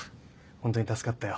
ホントに助かったよ。